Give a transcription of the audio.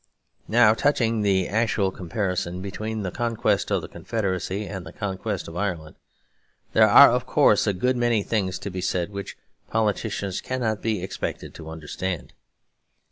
Now touching the actual comparison between the conquest of the Confederacy and the conquest of Ireland, there are, of course, a good many things to be said which politicians cannot be expected to understand.